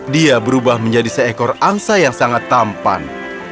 dia berubah menjadi seekor angsa yang sangat tampan